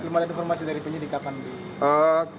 belum ada informasi dari penyidik kapan